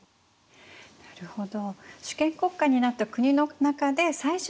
なるほど。